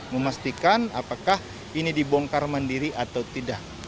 memastikan apakah ini dibongkar mandiri atau tidak